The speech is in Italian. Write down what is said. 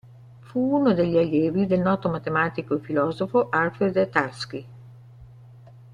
Fu uno degli allievi del noto matematico e filosofo Alfred Tarski.